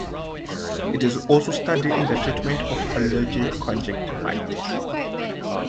It is also studied in the treatment of allergic conjunctivitis.